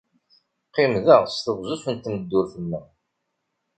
Qqim da s teɣzef n tmeddurt-nnem.